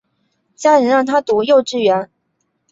家人让她读幼稚园